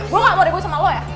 gue gak mau ribut sama lo ya